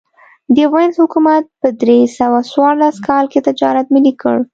د وینز حکومت په درې سوه څوارلس کال کې تجارت ملي کړ